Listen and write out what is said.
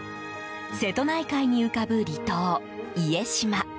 瀬戸内海に浮かぶ離島・家島。